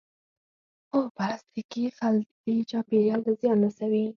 هو، پلاستیکی خلطی چاپیریال ته زیان رسوی